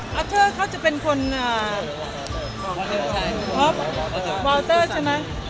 พอเตอร์เขาจะเป็นคนของวาวเตอร์ใช่ไหม